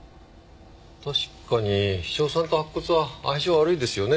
確かに硝酸と白骨は相性悪いですよね。